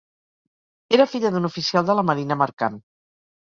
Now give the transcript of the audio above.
Era filla d'un oficial de la marina mercant.